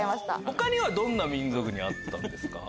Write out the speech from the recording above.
他にはどんな民族に会ったんですか？